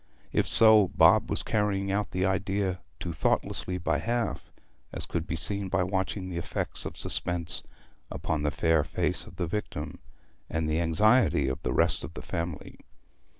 If so, Bob was carrying out the idea too thoughtlessly by half, as could be seen by watching the effects of suspense upon the fair face of the victim, and the anxiety of the rest of the family.